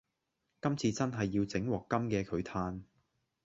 今次真係要整鑊金嘅佢嘆